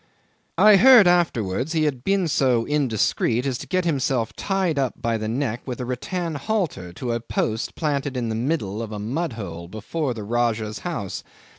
'I heard afterwards he had been so indiscreet as to get himself tied up by the neck with a rattan halter to a post planted in the middle of a mud hole before the Rajah's house.